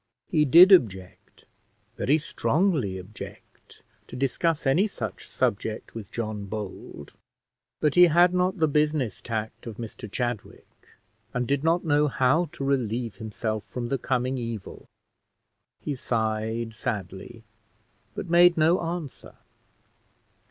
He did object, very strongly object, to discuss any such subject with John Bold; but he had not the business tact of Mr Chadwick, and did not know how to relieve himself from the coming evil; he sighed sadly, but made no answer.